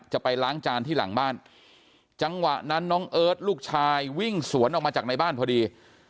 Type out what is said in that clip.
จะไปล้างจานที่หลังบ้านจังหวะนั้นน้องเอิร์ทลูกชายวิ่งสวนออกมาจากในบ้านพอดี